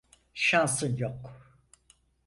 Şansın yok.